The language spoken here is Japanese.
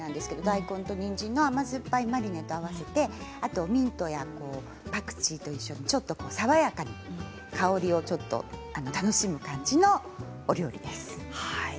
大根とにんじんと甘酸っぱいマリネを合わせてミントやパクチーと一緒に爽やかに香りをちょっと楽しむ感じのお料理です。